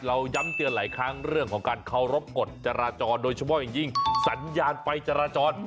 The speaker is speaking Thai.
ย้ำเตือนหลายครั้งเรื่องของการเคารพกฎจราจรโดยเฉพาะอย่างยิ่งสัญญาณไฟจราจร